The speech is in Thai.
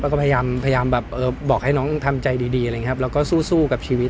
แล้วก็พยายามบอกให้น้องทำใจดีแล้วก็สู้กับชีวิต